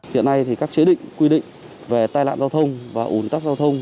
hiện nay thì các chế định quy định về tai nạn giao thông và ủn tắc giao thông